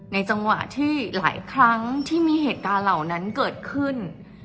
จังหวะที่หลายครั้งที่มีเหตุการณ์เหล่านั้นเกิดขึ้น